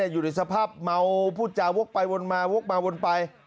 อยู่ในสภาพเมาพูดจาวกไปวนมาวกมาวนไป